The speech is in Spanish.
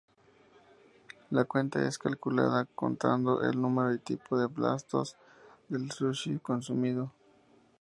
La cuenta es calculada contando el número y tipo de platos del sushi consumido.